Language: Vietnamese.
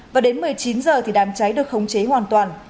và đến một mươi chín h thì đám cháy được khống chế hoàn toàn